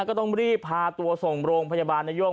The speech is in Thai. ก็ต้องรีบพาตัวส่งโรงพยาบาลนาย่ง